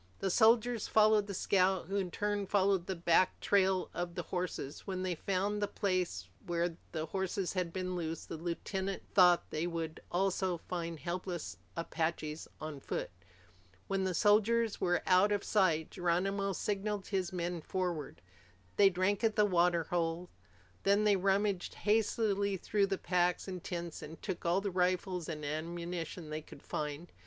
The soldiers followed the scout, who in turn followed the back trail of the horses. When they found the place where the horses had been loosed, the lieutenant thought, they would also find helpless Apaches on foot. When the soldiers were out of sight, Geronimo signaled his men forward. They drank at the water hole. Then they rummaged hastily through the packs and tents and took all the rifles and ammunition they could find.